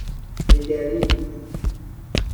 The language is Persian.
نگریست